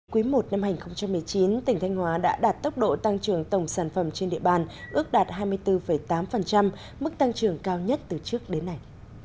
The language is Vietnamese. quý i năm hai nghìn một mươi chín tỉnh thanh hóa đã đạt tốc độ tăng trưởng tổng sản phẩm trên địa bàn ước đạt hai mươi bốn tám mức tăng trưởng cao nhất từ trước đến nay